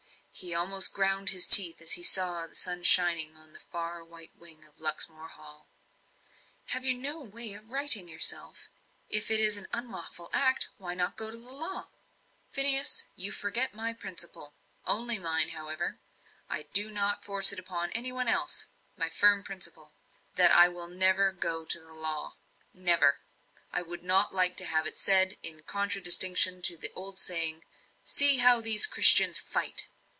He almost ground his teeth as he saw the sun shining on the far white wing of Luxmore Hall. "Have you no way of righting yourself? If it is an unlawful act, why not go to law?" "Phineas, you forget my principle only mine, however; I do not force it upon any one else my firm principle, that I will never go to law. Never! I would not like to have it said, in contradistinction to the old saying, 'See how these Christians FIGHT!'"